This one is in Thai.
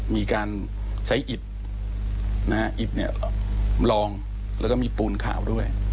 มีการใช้อิดลองแล้วก็มีปูนขาวด้วย